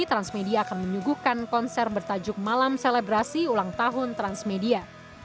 transmedia akan menyuguhkan konser bertajuk malam selebrasi ulang tahun transmedia